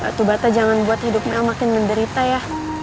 batu bata jangan buat hidup mel makin menderita ya